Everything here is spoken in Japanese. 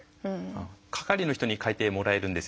係の人に書いてもらえるんですよね。